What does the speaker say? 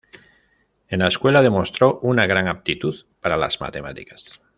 En la escuela demostró una gran aptitud para la matemáticas.